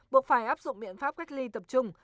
buộc phải áp dụng biện pháp cách ly tập trung